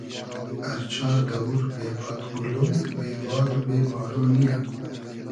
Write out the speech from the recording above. ار چار دئوور بې بادگولۉ ، بې باد و بې بارۉ نییۂ